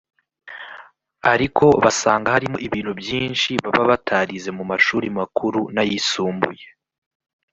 ariko basanga harimo ibintu byinshi baba batarize mu mashuri makuru n’ayisumbuye